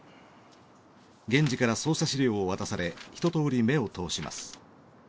源次から捜査資料を渡されひととおり目を通します。